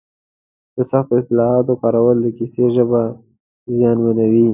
د سختو اصطلاحاتو کارول د کیسې ژبه زیانمنوي.